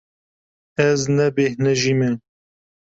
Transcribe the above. Ez nebêhnijîme.